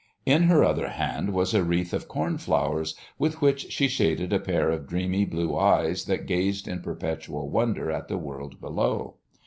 In her other hand was a wreath of corn flowers, with which she shaded a pair of dreamy blue eyes that gazed in perpetual wonder at the world below.